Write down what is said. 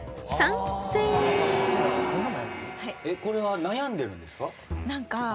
これは悩んでるんですか？